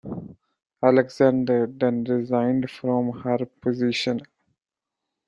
Alexander then resigned from her position.